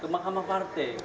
ke mahkamah partai